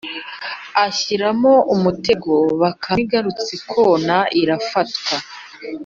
ashyiramo umutego. bakame igarutse kona irafatwa